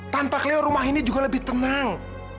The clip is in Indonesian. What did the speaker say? tanpa kleo rumah ini juga lebih tenang